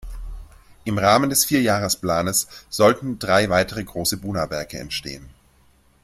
Im Rahmen des Vierjahresplanes sollten drei weitere große Buna-Werke entstehen.